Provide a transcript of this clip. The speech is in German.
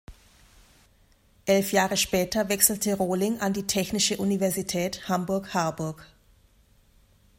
Elf Jahre später wechselte Rohling an die Technische Universität Hamburg-Harburg.